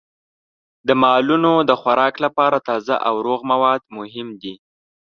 د مالونو د خوراک لپاره تازه او روغ مواد مهم دي.